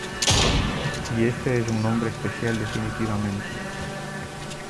Y este es un nombre especial, definitivamente.